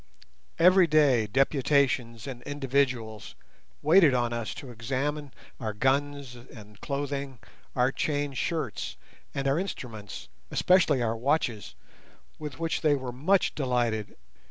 Every day deputations and individuals waited on us to examine our guns and clothing, our chain shirts, and our instruments, especially our watches, with which they were much delighted.